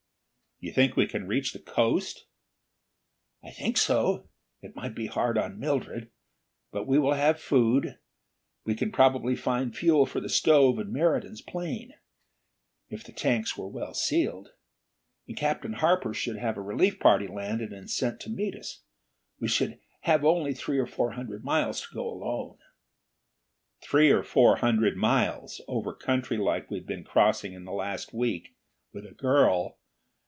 "You think we can reach the coast?" "I think so. It might be hard on Mildred. But we will have food; we can probably find fuel for the stove in Meriden's plane, if the tanks were well sealed. And Captain Harper should have a relief party landed and sent to meet us. We should have only three or four hundred miles to go alone." "Three or four hundred miles, over country like we've been crossing in the last week, with a girl!